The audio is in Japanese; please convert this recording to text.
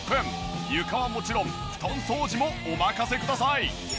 床はもちろん布団掃除もお任せください。